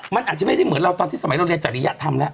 มันอาจจะไม่ได้เหมือนเราตอนที่สมัยเราเรียนจริยธรรมแล้ว